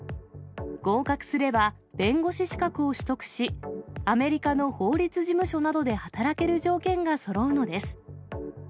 合格すれば、弁護士資格を取得し、アメリカの法律事務所などで働ける条件がそろうのです。